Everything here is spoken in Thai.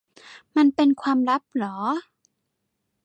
มันเป็นความลับหรอ